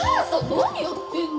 何やってんの？